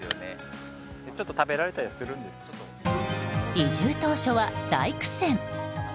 移住当初は大苦戦。